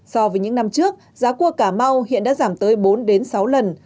so với những năm trước giá cua cà mau hiện đã giảm tới bốn sáu lần